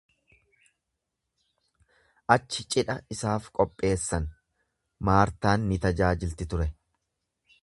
Achi cidha isaaf qopheessan, Maartaan ni tajaajilti ture.